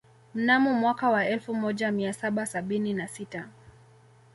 Mnamo mwaka wa elfu moja mia saba sabini na sita